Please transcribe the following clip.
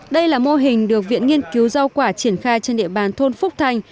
đây là mô hình được viện nghiên cứu rau quả triển khai trên địa bàn thôn phúc thành